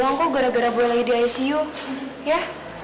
dua dua kok gara gara boy lagi di icu ya